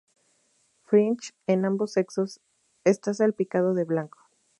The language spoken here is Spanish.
Fringe en ambos sexos está salpicado de blanco.